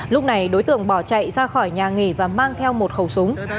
lúc này đối tượng bỏ chạy ra khỏi nhà nghỉ và mang theo một khẩu súng